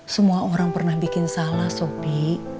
semua orang pernah bikin salah sopi